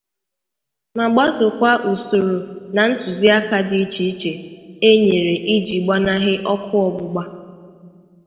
ma gbasòkwa usòrò na ntụziaka dị iche iche e nyere iji gbanahị ọkụ ọgbụgba.